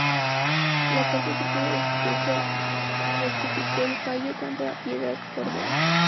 La Corte Suprema de Justicia, rectificó el fallo, contra Piedad Cordoba.